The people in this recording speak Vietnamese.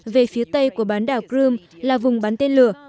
về phía tây của bán đảo crimea là vùng bắn tên lửa